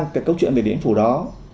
cái câu chuyện về địa điểm phủ đó